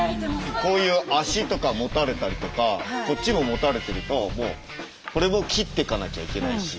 こういう足とか持たれたりとかこっちも持たれてるとこれも切ってかなきゃいけないし。